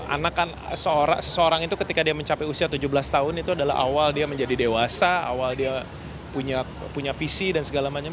anak kan seseorang itu ketika dia mencapai usia tujuh belas tahun itu adalah awal dia menjadi dewasa awal dia punya visi dan segala macam